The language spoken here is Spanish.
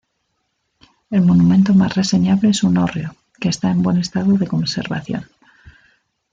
El monumento más reseñable es un hórreo, que está en buen estado de conservación.